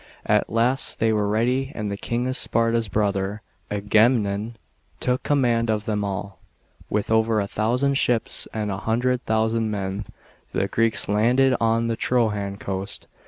At last they were ready, and the King of Sparta's brother, Aga memnon, took command of them all. With over a thousand ships and a hundred thousand men, the Greeks landed on the Trojan coast.